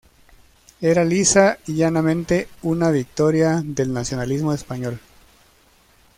Era lisa y llanamente una victoria del nacionalismo español.